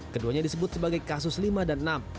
keduanya disebut sebagai kasus lima dan enam